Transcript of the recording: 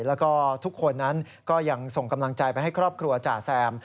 แล้วก็ทุกคนนั้นก็ยังส่งกำลังใจไปให้ครอบครัวจ่าแซม